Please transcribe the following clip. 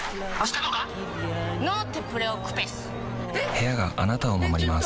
部屋があなたを守ります